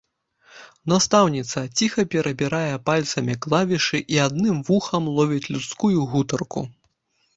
Настаўніца ціха перабірае пальцамі клавішы і адным вухам ловіць людскую гутарку.